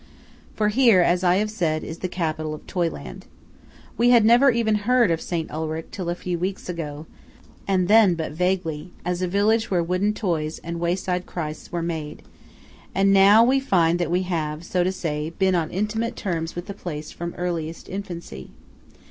For here, as I have said, is the capital of Toyland. We had never even heard of St. Ulrich till a few weeks ago, and then but vaguely, as a village where wooden toys and wayside Christs were made; and now we find that we have, so to say, been on intimate terms with the place from earliest infancy.